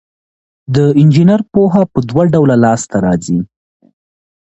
د انجینر پوهه په دوه ډوله لاس ته راځي.